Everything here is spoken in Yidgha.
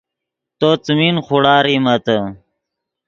تو څیمین خوڑا ریمیتے